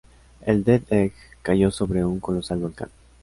El Death Egg cayó sobre un colosal volcán.